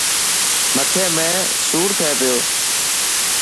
مٿي ۾ سور ٿي پيو.